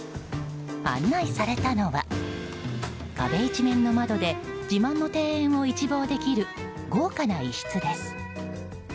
案内されたのは壁一面の窓で自慢の庭園を一望できる豪華な一室です。